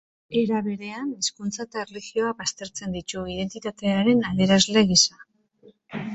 Era berean, hizkuntza eta erlijioa baztertzen ditu identitatearen adierazle gisa.